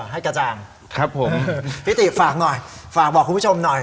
ให้กระจ่างครับผมพี่ติฝากหน่อยฝากบอกคุณผู้ชมหน่อย